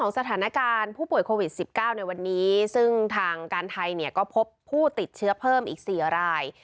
สถานการณ์ผู้ป่วยโควิด๑๙ในวันนี้ซึ่งทางการไทยเนี่ยก็พบผู้ติดเชื้อเพิ่มอีก๔ราย